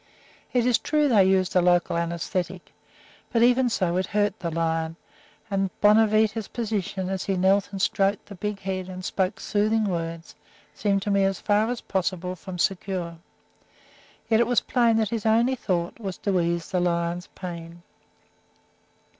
It is true they used a local anesthetic; but even so, it hurt the lion, and Bonavita's position as he knelt and stroked the big head and spoke soothing words seemed to me as far as possible from secure. Yet it was plain that his only thought was to ease the lion's pain.